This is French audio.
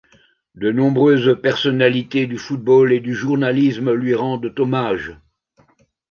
De nombreuses personnalités du football et du journalisme lui rendent hommage.